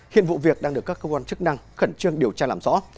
hiện vụ việc đang được các cơ quan chức năng khẩn trương điều tra làm rõ